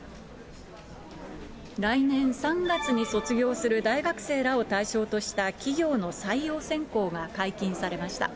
来年３月に卒業する大学生らを対象とした企業の採用選考が解禁されました。